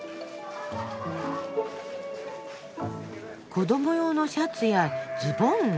子ども用のシャツやズボン？